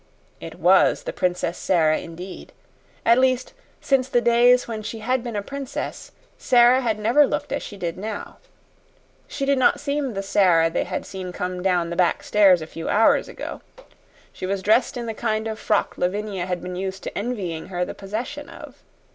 It was the Princess Sara indeed. At least, since the days when she had been a princess, Sara had never looked as she did now. She did not seem the Sara they had seen come down the back stairs a few hours ago. She was dressed in the kind of frock Lavinia had been used to envying her the possession of.